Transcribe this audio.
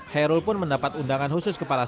kairul pun mendapat undangan khusus kepala stafan